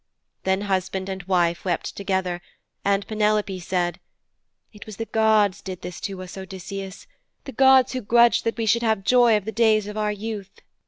Then husband and wife wept together, and Penelope said, 'It was the gods did this to us, Odysseus the gods who grudged that we should have joy of the days of our youth.'